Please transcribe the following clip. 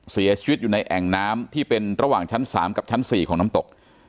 เสียชีวิตอยู่ในแอ่งน้ำที่เป็นระหว่างชั้น๓กับชั้น๔ของน้ำตก